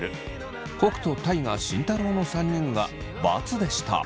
北斗大我慎太郎の３人が×でした。